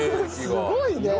すごいね！